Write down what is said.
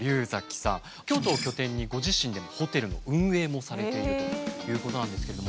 京都を拠点にご自身でもホテルの運営もされているということなんですけれども。